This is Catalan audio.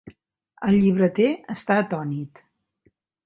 El llibreter està atònit.